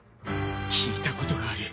聞いたことがある。